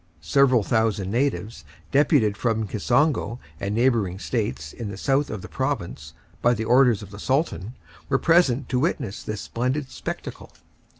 Several thousand natives, deputed from Kisongo and neighboring States in the south of the province, by the orders of the Sultan, were present to witness this splendid spectacle.